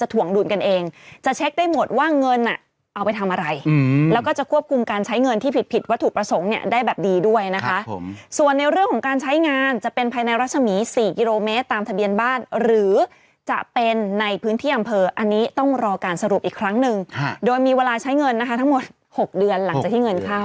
ส่วนในเรื่องของการใช้งานจะเป็นภายในรัศมี๔กิโลเมตรตามทะเบียนบ้านหรือจะเป็นในพื้นที่อำเภออันนี้ต้องรอการสรุปอีกครั้งหนึ่งโดยมีเวลาใช้เงินนะคะทั้งหมด๖เดือนหลังจากที่เงินเข้า